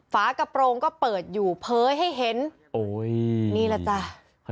ฝากระโปรงก็เปิดอยู่เพ้อให้เห็นโอ้ยนี่แหละจ้ะ